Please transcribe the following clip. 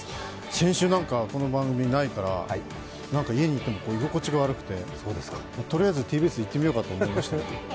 先週、この番組ないから家にいても居心地が悪くてとりあえずＴＢＳ行ってみようかと思いました。